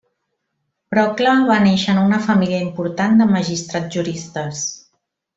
Procle va néixer en una família important de magistrats juristes.